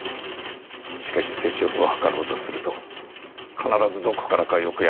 しかし接触を図ろうとすると必ずどこからか横槍が入る。